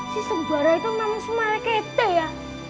si sebarai itu memang semalekete ya